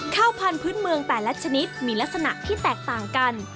ข้าวพันธุ์เมืองแต่ละชนิดมีลักษณะที่แตกต่างกัน